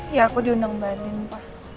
iya aku diundang balik